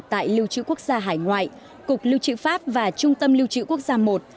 tại lưu trữ quốc gia hải ngoại cục lưu trữ pháp và trung tâm lưu trữ quốc gia i